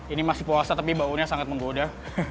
ini masih puasa tapi baunya sangat menggoda